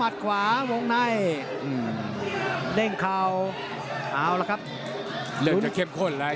สนุกแน่นอนครับ